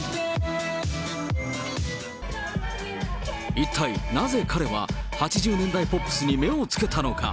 一体なぜ彼は、８０年代ポップスに目をつけたのか。